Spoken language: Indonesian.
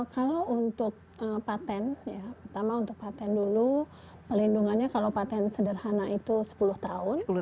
kalau untuk patent pertama untuk paten dulu pelindungannya kalau patent sederhana itu sepuluh tahun